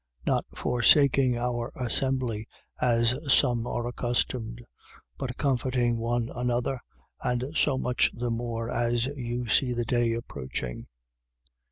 Not forsaking our assembly, as some are accustomed: but comforting one anther, and so much the more as you see the day approaching.